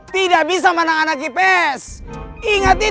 tidak bisa menangkan anak ips yang ada lawang